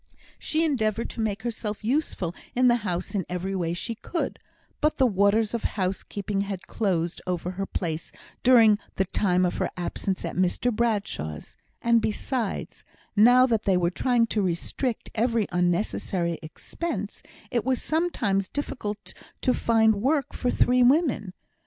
She endeavoured to make herself useful in the house in every way she could; but the waters of housekeeping had closed over her place during the time of her absence at Mr Bradshaw's and, besides, now that they were trying to restrict every unnecessary expense, it was sometimes difficult to find work for three women.